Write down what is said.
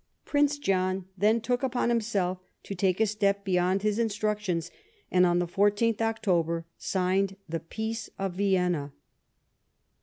Prince John then took, upon himself to take a step beyond his instructions, and, on the 1 4th October, signed the Peace of Vienna.